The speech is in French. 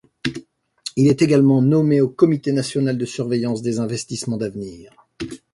Il est également nommé au Comité national de surveillance des Investissements d’avenir.